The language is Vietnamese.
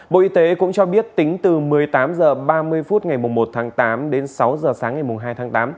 bộ y tế cũng cho biết tính từ một mươi tám h ba mươi phút ngày một tháng tám đến sáu h sáng ngày hai tháng tám